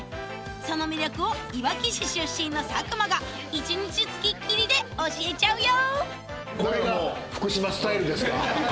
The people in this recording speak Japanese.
その魅力をいわき市出身の佐久間が一日付きっきりで教えちゃうよ！